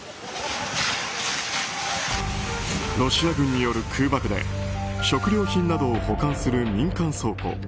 ロシア軍による空爆で食料品などを保管する民間倉庫